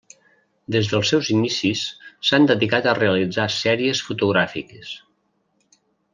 Des dels seus inicis s'han dedicat a realitzar sèries fotogràfiques.